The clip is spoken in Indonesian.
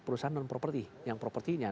di perusahaan non property yang propertinya